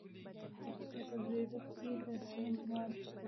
د پکتیکا په زیروک کې د سمنټو مواد شته.